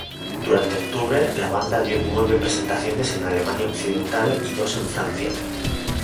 Durante octubre la banda dio nueve presentaciones en Alemania Occidental y dos en Francia.